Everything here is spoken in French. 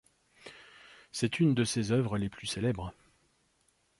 C'est une de ses œuvres les plus célèbres.